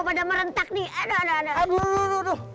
bentak nih aduh aduh aduh